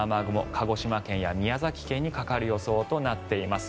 鹿児島県や宮崎県にかかる予想となっています。